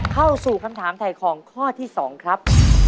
เข้าสู่คำถามถ่ายของข้อที่๒ครับ